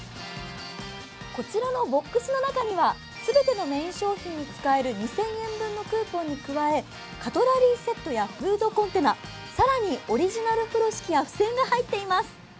こちらのボックスの中にはすべてのメイン商品に使える２０００円分のクーポンに加えカトラリーセットやフードコンテナ、更にオリジナル風呂敷や付箋が入っています。